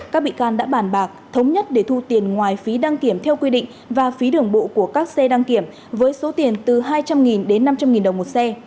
các bị can đã bàn bạc thống nhất để thu tiền ngoài phí đăng kiểm theo quy định và phí đường bộ của các xe đăng kiểm với số tiền từ hai trăm linh đến năm trăm linh đồng một xe